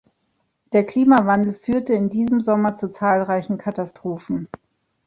Der Klimawandel führte in diesem Sommer zu zahlreichen Katastrophen.